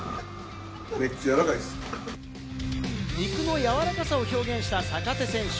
肉の柔らかさを表現した坂手選手。